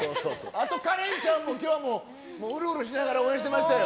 あとカレンちゃんも、きょうもうるうるしながら応援してましたよ。